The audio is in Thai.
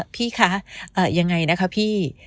พี่คะยังไงนะคะพี่